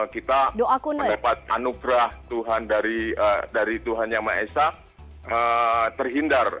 kita mendapat anugerah tuhan dari tuhan yang maha esa terhindar